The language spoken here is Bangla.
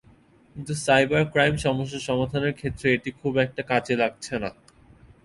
কিন্তু সাইবার ক্রাইম সমস্যা সমাধানের ক্ষেত্রে এটি খুব একটা কাজে লাগছে না।